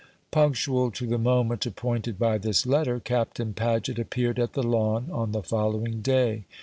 Punctual to the moment appointed by this letter, Captain Paget appeared at the Lawn on the following day.